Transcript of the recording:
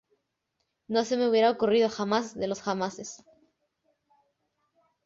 No se me hubiera ocurrido jamás de los jamases